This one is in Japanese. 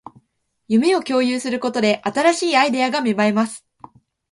夢を共有することで、新しいアイデアが芽生えます